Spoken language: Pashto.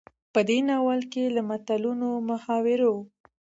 په دې ناول کې له متلونو، محاورو،